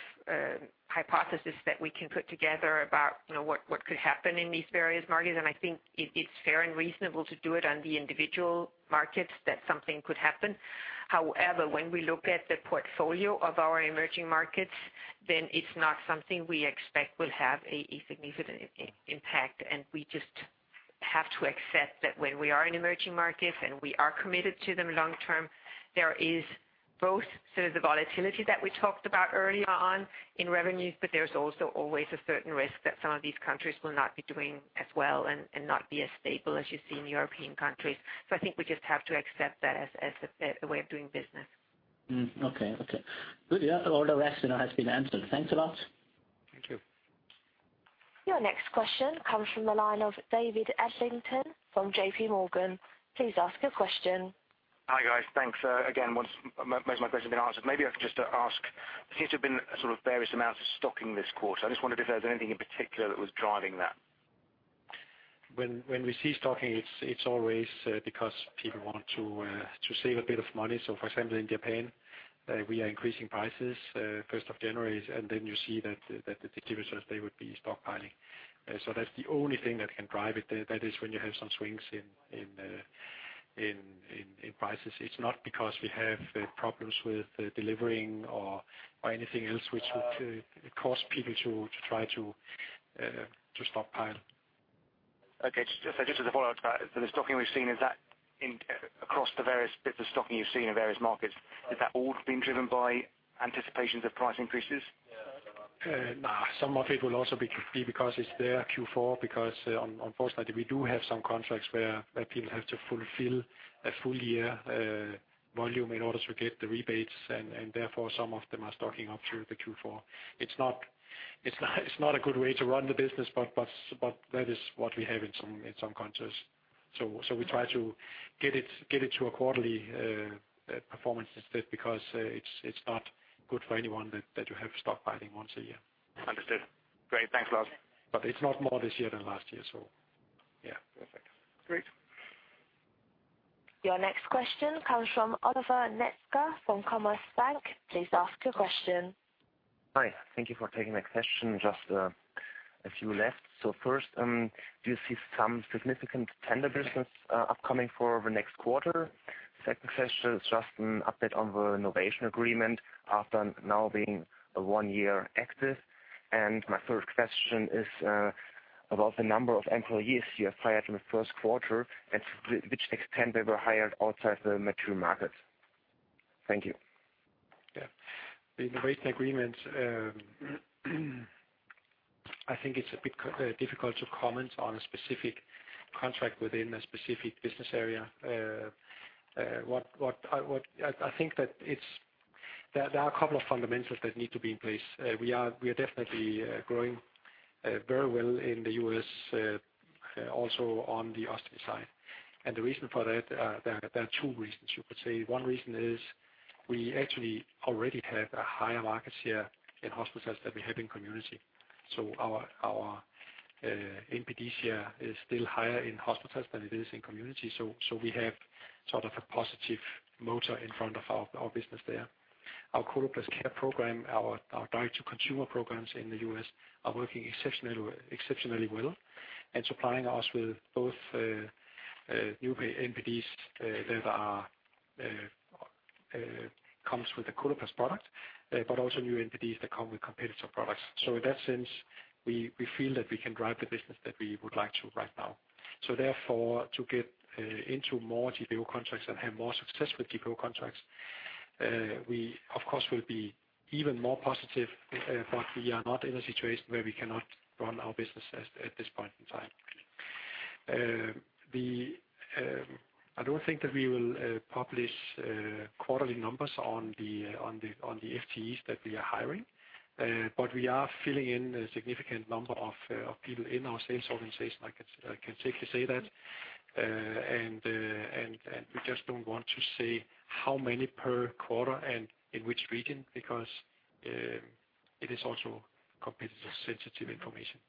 hypothesis that we can put together about, you know, what could happen in these various markets, and I think it's fair and reasonable to do it on the individual markets, that something could happen. However, when we look at the portfolio of our emerging markets, then it's not something we expect will have a significant impact, and we just have to accept that when we are in emerging markets, and we are committed to them long term, there is both, so the volatility that we talked about earlier on in revenues, but there's also always a certain risk that some of these countries will not be doing as well and not be as stable as you see in European countries. I think we just have to accept that as a way of doing business. Okay. Good. Yeah, all the rest, you know, has been answered. Thanks a lot. Thank you. Your next question comes from the line of David Adlington from JP Morgan. Please ask your question. Hi, guys. Thanks. again, most of my questions have been answered. Maybe I could just ask, there seems to have been sort of various amounts of stocking this quarter. I just wondered if there was anything in particular that was driving that. When we see stocking, it's always because people want to save a bit of money. For example, in Japan, we are increasing prices 1st of January, and then you see that the distributors, they would be stockpiling. That's the only thing that can drive it. That is when you have some swings in prices. It's not because we have problems with delivering or anything else which would cause people to try to stockpile. Okay. Just as a follow-up to that, the stocking we've seen, is that across the various bits of stocking you've seen in various markets, has that all been driven by anticipations of price increases? Some of it will also be because it's their Q4, because unfortunately, we do have some contracts where people have to fulfill a full year volume in order to get the rebates, and therefore, some of them are stocking up through the Q4. It's not a good way to run the business, but that is what we have in some countries. We try to get it to a quarterly performance instead, because it's not good for anyone that you have stockpiling once a year. Understood. Great. Thanks a lot. It's not more this year than last year, so yeah. Perfect. Great. Your next question comes from Oliver Metzger from Commerzbank. Please ask your question. Hi. Thank you for taking my question. Just a few left. First, do you see some significant tender business upcoming for the next quarter? Second question is just an update on the innovation agreement after now being a one-year access. My third question is about the number of employees you have hired in the first quarter, and to which extent they were hired outside the mature markets. Thank you. Yeah. The innovation agreement, I think it's a bit difficult to comment on a specific contract within a specific business area. I think that there are a couple of fundamentals that need to be in place. We are definitely growing very well in the US, also on the Ostomy side. The reason for that, there are two reasons you could say. One reason is we actually already have a higher market share in hospitals than we have in community. Our NPD share is still higher in hospitals than it is in community. We have sort of a positive motor in front of our business there. Our Coloplast Care program, our direct-to-consumer programs in the U.S., are working exceptionally well and supplying us with both new NPDs that are comes with a Coloplast product, but also new NPDs that come with competitive products. In that sense, we feel that we can drive the business that we would like to right now. Therefore, to get into more GPO contracts and have more success with GPO contracts, we of course, will be even more positive, but we are not in a situation where we cannot run our business at this point in time. The, I don't think that we will publish quarterly numbers on the FTEs that we are hiring, but we are filling in a significant number of people in our sales organization. I can safely say that. We just don't want to say how many per quarter and in which region, because it is also competitive sensitive information.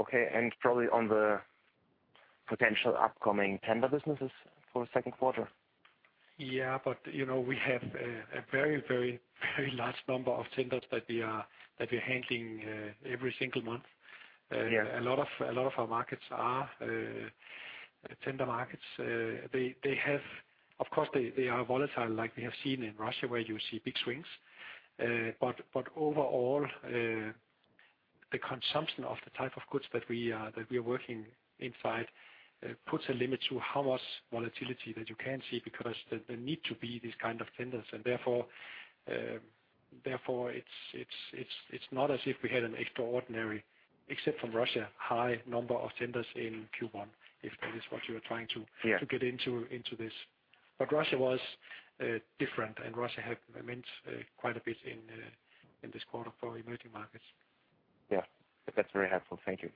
Okay, probably on the potential upcoming tender businesses for the second quarter? Yeah, you know, we have a very large number of tenders that we're handling every single month. Yeah. A lot of our markets are tender markets. They have, of course, they are volatile like we have seen in Russia, where you see big swings. But overall, the consumption of the type of goods that we are working inside, puts a limit to how much volatility that you can see, because there need to be these kind of tenders. Therefore, it's not as if we had an extraordinary, except from Russia, high number of tenders in Q1, if that is what you are trying. Yeah... to get into this. Russia was different. Russia have meant quite a bit in this quarter for emerging markets. Yeah. That's very helpful. Thank you.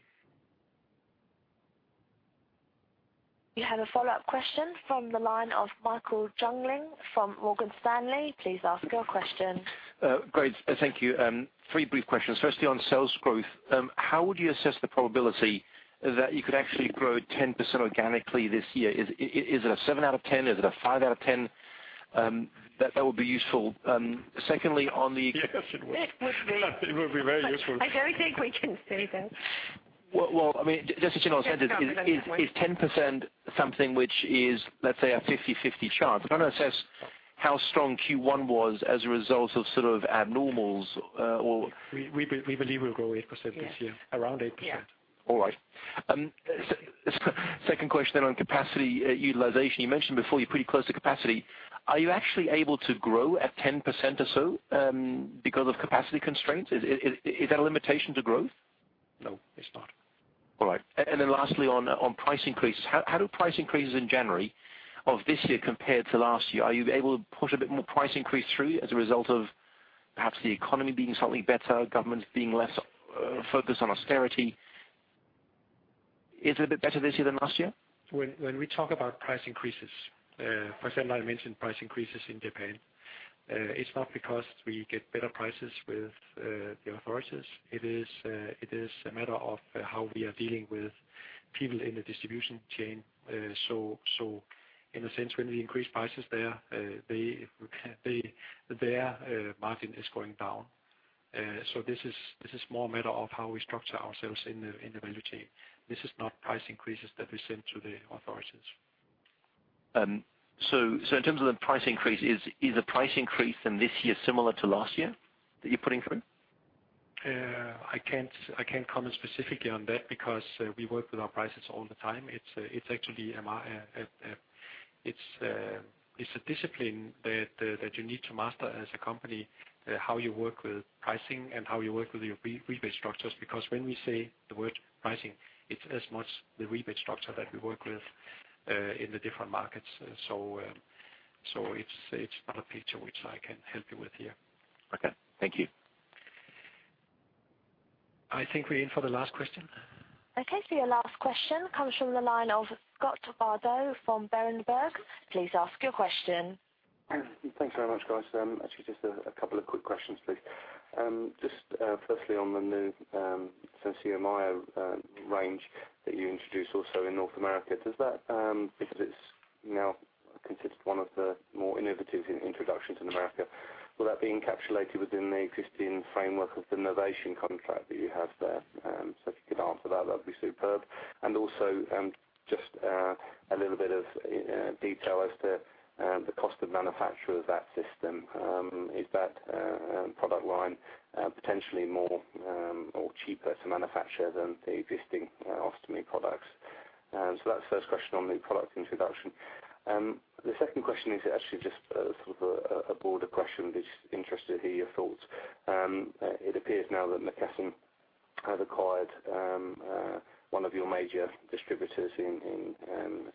You have a follow-up question from the line of Michael Jüngling from Morgan Stanley. Please ask your question. Great. Thank you. 3 brief questions. Firstly, on sales growth, how would you assess the probability that you could actually grow 10% organically this year? Is it a 7 out of 10? Is it a 5 out of 10? That would be useful. Secondly, on the. Yes, it would. It would be. It would be very useful. I don't think we can say that. Well, I mean, just in general sense, is 10% something which is, let's say, a 50/50 chance? I wanna assess how strong Q1 was as a result of sort of abnormals. We believe we'll grow 8% this year. Yes. Around 8%. Yeah. All right. Second question on capacity utilization. You mentioned before, you're pretty close to capacity. Are you actually able to grow at 10% or so, because of capacity constraints? Is that a limitation to growth? No, it's not. All right. Lastly, on price increases. How do price increases in January of this year compared to last year? Are you able to push a bit more price increase through as a result of perhaps the economy being slightly better, governments being less focused on austerity? Is it a bit better this year than last year? When we talk about price increases, for example, I mentioned price increases in Japan. It's not because we get better prices with the authorities. It is a matter of how we are dealing with people in the distribution chain. In a sense, when we increase prices there, they, their margin is going down. This is more a matter of how we structure ourselves in the value chain. This is not price increases that we send to the authorities. In terms of the price increase, is the price increase in this year similar to last year, that you're putting through? I can't comment specifically on that because we work with our prices all the time. It's actually a discipline that you need to master as a company, how you work with pricing and how you work with your rebate structures. When we say the word pricing, it's as much the rebate structure that we work with in the different markets. It's not a picture which I can help you with here. Okay, thank you. I think we're in for the last question. Your last question comes from the line of Scott Bardo from Berenberg. Please ask your question. Thanks very much, guys. Actually, just a couple of quick questions, please. Firstly, on the new SenSura Mio range that you introduced also in North America, does that, because it's now considered one of the more innovative introductions in North America, will that be encapsulated within the existing framework of the innovation contract that you have there? If you could answer that'd be superb. Also, just a little bit of detail as to the cost of manufacture of that system. Is that product line potentially more or cheaper to manufacture than the existing ostomy products? That's the first question on the product introduction. The second question is actually just sort of a broader question, but just interested to hear your thoughts. It appears now that McKesson has acquired one of your major distributors in,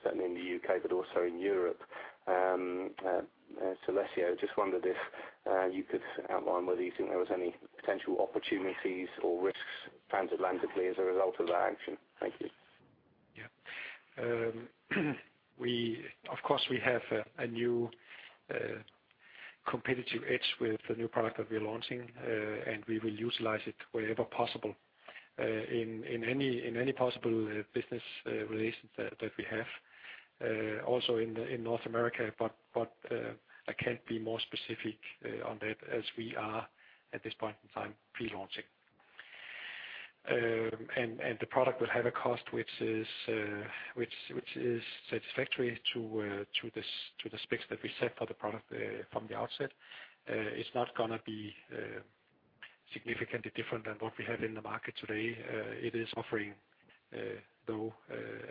certainly in the UK, but also in Europe, Celesio. Just wondered if you could outline whether you think there was any potential opportunities or risks transatlantically as a result of that action. Thank you. Yeah. We of course have a new competitive edge with the new product that we're launching, and we will utilize it wherever possible in any possible business relations that we have also in North America. I can't be more specific on that as we are, at this point in time, pre-launching. And the product will have a cost, which is satisfactory to the specs that we set for the product from the outset. It's not gonna be significantly different than what we have in the market today. It is offering, though,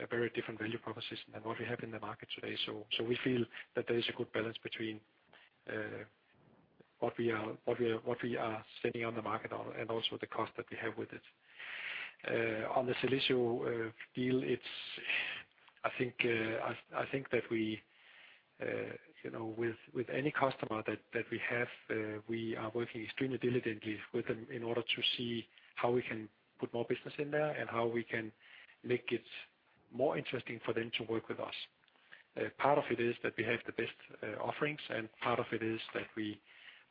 a very different value proposition than what we have in the market today. We feel that there is a good balance between what we are sending on the market and also the cost that we have with it. On the Celesio deal, I think that we, you know, with any customer that we have, we are working extremely diligently with them in order to see how we can put more business in there, and how we can make it more interesting for them to work with us. Part of it is that we have the best offerings, and part of it is that we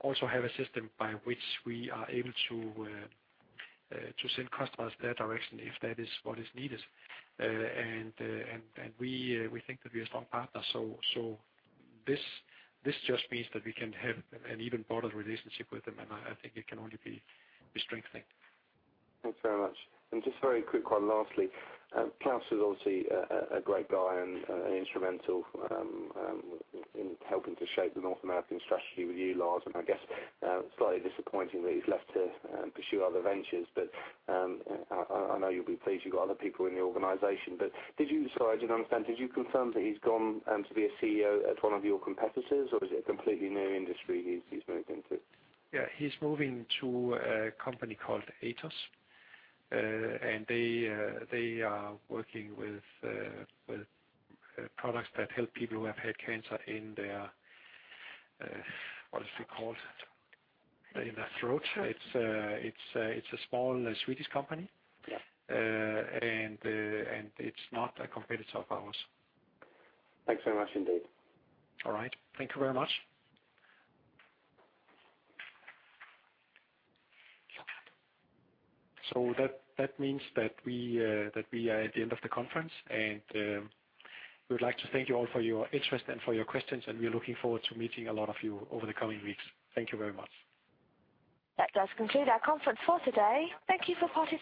also have a system by which we are able to send customers their direction, if that is what is needed. We think that we are a strong partner, so this just means that we can have an even broader relationship with them, and I think it can only be strengthened. Thanks very much. Just very quick, one lastly, Klaus is obviously a, a great guy and instrumental in helping to shape the North American strategy with you, Lars. I guess, slightly disappointing that he's left to pursue other ventures, but I, I know you'll be pleased you've got other people in the organization. Did you Sorry, I didn't understand. Did you confirm that he's gone to be a CEO at one of your competitors, or is it a completely new industry he's moved into? Yeah, he's moving to a company called Atos. They are working with products that help people who have had cancer in their, what is it called? In their throat. It's a small Swedish company. Yeah. It's not a competitor of ours. Thanks very much indeed. All right. Thank you very much. That means that we are at the end of the conference. We would like to thank you all for your interest and for your questions. We are looking forward to meeting a lot of you over the coming weeks. Thank you very much. That does conclude our conference for today. Thank Thank you for participating.